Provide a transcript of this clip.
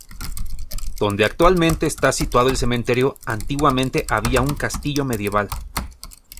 Donde actualmente está situado el cementerio antiguamente había un castillo medieval.